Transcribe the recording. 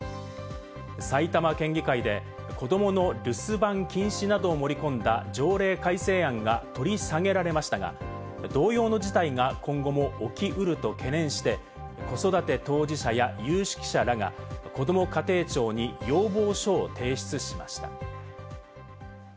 埼玉県議会で子どもの留守番禁止などを盛り込んだ条例改正案が取り下げられましたが同様の事態が今後も起きうると懸念して、子育て当事者や有識者らがこども家庭庁に要望書を提出しました。